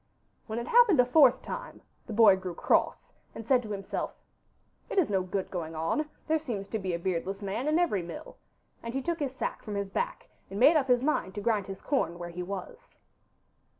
When it happened a fourth time the boy grew cross, and said to himself, 'It is no good going on; there seems to be a beardless man in every mill'; and he took his sack from his back, and made up his mind to grind his corn where he was.